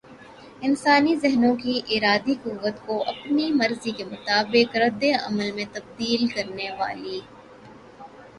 انسانی ذہنوں کی ارادی قوت کو اپنی مرضی کے مطابق ردعمل میں تبدیل کرنے والی